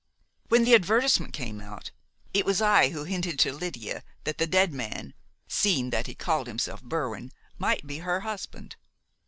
"When the advertisement came out, it was I who hinted to Lydia that the dead man seeing that he was called Berwin might be her husband.